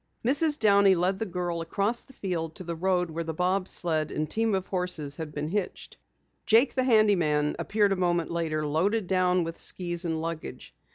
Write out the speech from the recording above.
Mrs. Downey led the girl across the field to the road where the bob sled and team of horses had been hitched. Jake, the handy man, appeared a moment later, loaded down with skis and luggage.